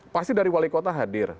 pasti dari wali kota hadir